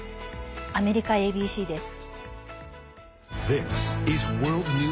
アメリカＡＢＣです。